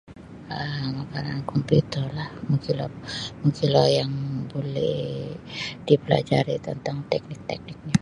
um Berkanaan komputer lah magilo magilo yang buli dipelajari tantang teknik-tekniknyo.